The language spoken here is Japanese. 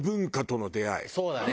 そうだね。